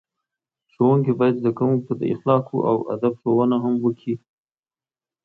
ښوونکي باید زده کوونکو ته د اخلاقو او ادب ښوونه هم وکړي.